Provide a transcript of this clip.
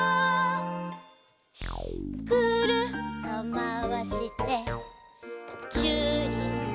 「くるっとまわしてチューリップ」